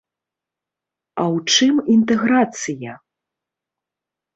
А ў чым інтэграцыя?